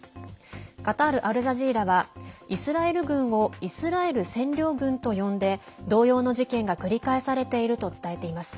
カタールアルジャジーラはイスラエル軍をイスラエル占領軍と呼んで同様の事件が繰り返されていると伝えています。